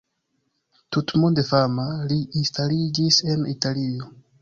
Tutmonde fama, li instaliĝis en Italio.